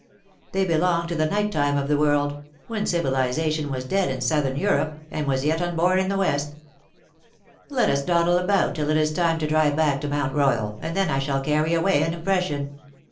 They belong to the night time of the world, when civilization was dead in Southern Europe, and was yet unborn in the West. Let us dawdle about till it is time to drive back to Mount Royal, and then I shall carry away an impression.